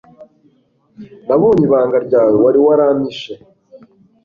nabonye ibanga ryawe wari warampishe